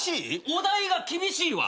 お題が厳しいわ。